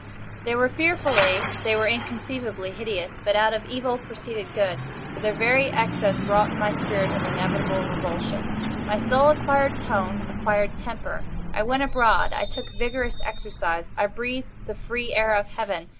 They were fearfully—they were inconceivably hideous; but out of Evil proceeded Good; for their very excess wrought in my spirit an inevitable revulsion. My soul acquired tone—acquired temper. I went abroad. I took vigorous exercise. I breathed the free air of Heaven.